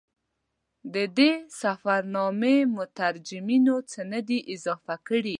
د ده د سفرنامې مترجمینو څه نه دي اضافه کړي.